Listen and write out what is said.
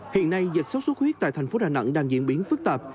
hiện nay dịch sốt xuất huyết tại thành phố đà nẵng đang diễn biến phức tạp